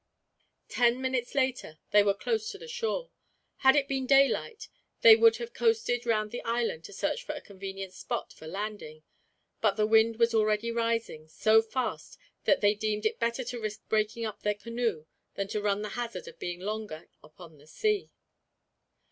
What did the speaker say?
Ten minutes later they were close to the shore. Had it been daylight, they would have coasted round the island to search for a convenient spot for landing; but the wind was already rising, so fast that they deemed it better to risk breaking up their canoe, than to run the hazard of being longer upon the sea.